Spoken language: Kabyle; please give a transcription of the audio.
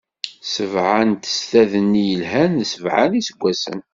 Sebɛa n testad-nni yelhan, d sebɛa n iseggasen;